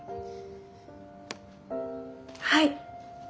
はい。